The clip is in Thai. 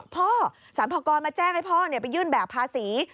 สรรพากรมาแจ้งให้พ่อไปยื่นแบบภาษี